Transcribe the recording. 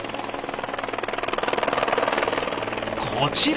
こちら！